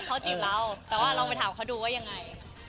เขาจีบเราแต่ว่าลองไปถามเขาดูว่ายังไง